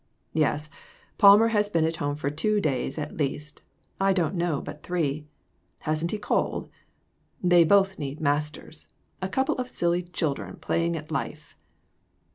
Yes, Palmer has been at home for two days at least I don't know but three ; hasn't he called ? They both need masters ; a couple of silly chil dren playing at life."